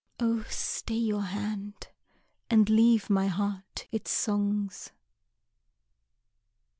O stay your hand, and leave my heart its songs!